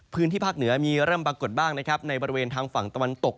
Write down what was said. พื้นที่ภาคเหนือมีเริ่มปรากฏบ้างนะครับในบริเวณทางฝั่งตะวันตก